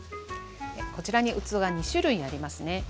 こちらに器が２種類ありますね。